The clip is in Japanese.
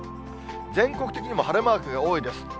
全国的にも晴れマークが多いです。